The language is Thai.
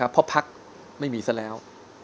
เพราะพักไม่มีซะแล้ว